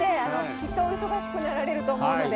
きっとお忙しくなられると思うので。